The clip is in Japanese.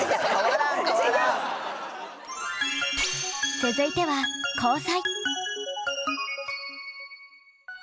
続いては交際。